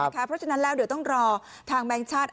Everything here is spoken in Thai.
เพราะฉะนั้นแล้วเดี๋ยวต้องรอทางแบงค์ชาติ